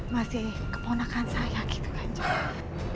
masih keponakan saya gitu kanjeng